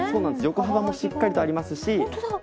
横幅もしっかりとありますし。